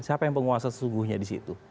siapa yang penguasa sesungguhnya disitu